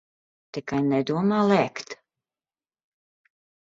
Tikai nedomā lēkt.